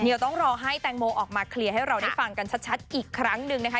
เดี๋ยวต้องรอให้แตงโมออกมาเคลียร์ให้เราได้ฟังกันชัดอีกครั้งหนึ่งนะคะ